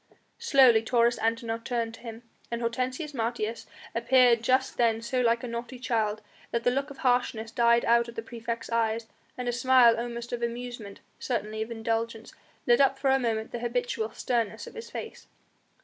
Slowly Taurus Antinor turned to him, and Hortensius Martius appeared just then so like a naughty child, that the look of harshness died out of the praefect's eyes, and a smile almost of amusement, certainly of indulgence, lit up for a moment the habitual sternness of his face.